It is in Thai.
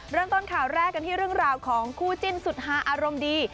เริ่มต้นข่าวแรกกันที่เรื่องราวของคู่จิ้นสุดฮาอารมณ์ดี